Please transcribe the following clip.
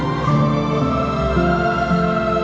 aku mau denger